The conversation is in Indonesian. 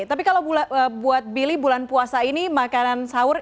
tapi kalau buat billy bulan puasa ini makanan sahur